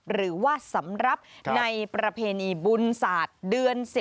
หรือว่าสำหรับในประเพณีบุญศาสตร์เดือน๑๐